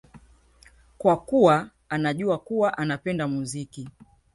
kwa kuwa anajua kuwa anapenda muziki